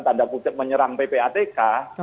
tanda kutip menyerang ppatk